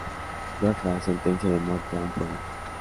Biafra, Sentencia de Muerte a un Pueblo?